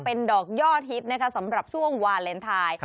เป็นดอกย่อฮิตนะคะสำหรับช่วงวาเลนไทย